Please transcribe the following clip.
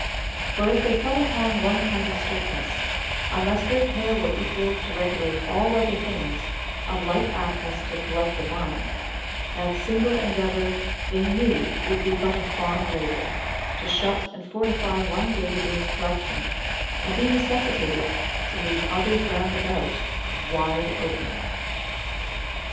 For if they fell upon one kind of strictness, unless their care were equal to regulate all other things of like aptness to corrupt the mind, that single endeavour they knew would be but a fond labour; to shut and fortify one gate against corruption, and be necessitated to leave others round about wide open.